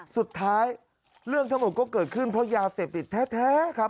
เรื่องทั้งหมดก็เกิดขึ้นเพราะยาเสพติดแท้ครับ